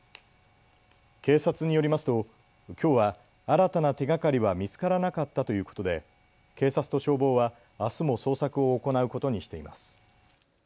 警察によりますときょうは新たな手がかりは見つからなかったということで警察と消防はあすも捜索を行うことにしています。